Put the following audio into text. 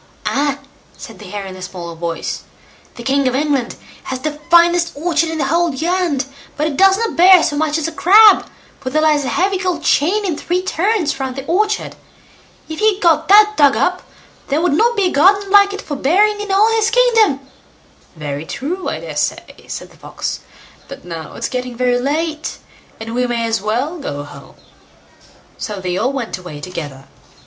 "Ah!" said the Hare in a small voice; "the king of England has the finest orchard in the whole land, but it does not bear so much as a crab, for there lies a heavy gold chain in three turns round the orchard. If he got that dug up, there would not be a garden like it for bearing in all his kingdom." "Very true, I dare say", said the Fox; "but now it's getting very late, and we may as well go home." So they all went away together.